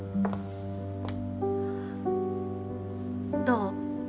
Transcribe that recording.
どう？